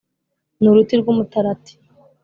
ni uruti rw’umutarati